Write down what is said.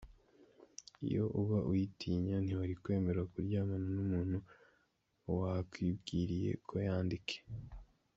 iyo uba uyitinya ntiwari kwemera kuryamana n’umuntu wakwibwiriye ko yandike.